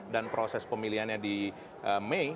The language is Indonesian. dan proses pemilihannya di mei